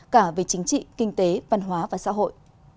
cả về chính trị kinh tế văn hóa và xã hội